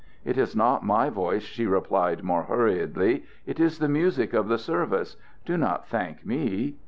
"It is not my voice," she replied more hurriedly. "It is the music of the service. Do not thank me.